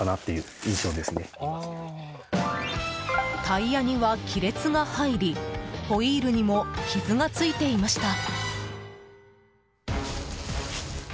タイヤには亀裂が入りホイールにも傷がついていました。